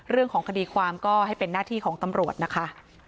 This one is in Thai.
เรื่องของคดีความก็ให้เป็นหน้าที่ของตำรวจนะคะ